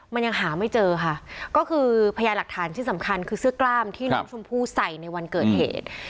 มันยังหาไม่เจอค่ะก็คือพยาหลักฐานชิ้นสำคัญคือเสื้อกล้ามที่น้องชมพู่ใส่ในวันเกิดเหตุ